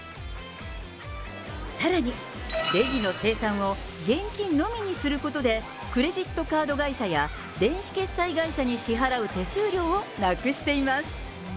さらに、レジの精算を現金のみにすることで、クレジットカード会社や、電子決済会社に支払う手数料をなくしています。